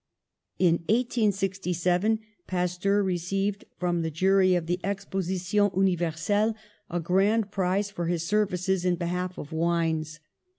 In 1867 Pasteur received from the jury of the Exposition Universelle a grand prize for his services in behalf of wines.